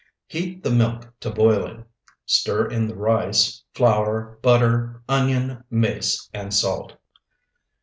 Heat the milk to boiling, stir in the rice, flour, butter, onion, mace, and salt.